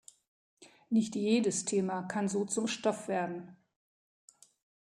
Nicht jedes Thema kann so zum Stoff werden.